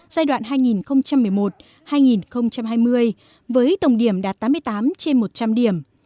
giai đoạn hai nghìn một mươi một hai nghìn hai mươi với tổng điểm đạt tám mươi tám trên một trăm linh điểm